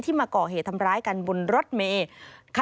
มาก่อเหตุทำร้ายกันบนรถเมย์